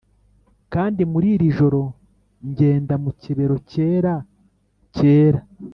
kandi muri iri joro ngenda mu kibero cyera cyera